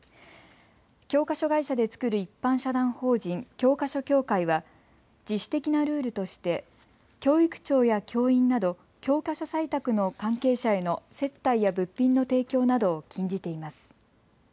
教科書会社で作る一般社団法人教科書協会は自主的なルールとして教育長や教員など教科書採択の関係者への接待や物品の提供などを禁じています。